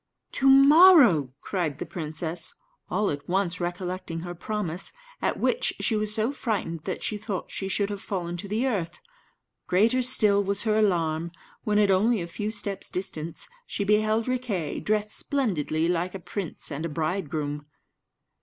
"To morrow!" cried the princess, all at once recollecting her promise; at which she was so frightened that she thought she should have fallen to the earth. Greater still was her alarm when, at only a few steps' distance, she beheld Riquet, dressed splendidly like a prince and a bridegroom.